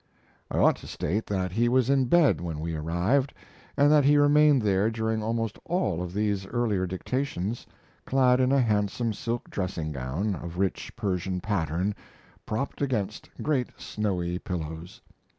I ought to state that he was in bed when we arrived, and that he remained there during almost all of these earlier dictations, clad in a handsome silk dressing gown of rich Persian pattern, propped against great snowy pillows.